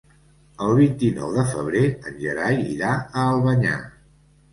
El vint-i-nou de febrer en Gerai irà a Albanyà.